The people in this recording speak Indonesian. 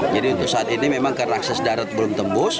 untuk saat ini memang karena akses darat belum tembus